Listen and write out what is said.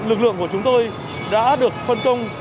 lực lượng của chúng tôi đã được phân công